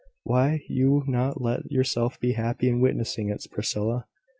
Why will you not let yourself be happy in witnessing it, Priscilla?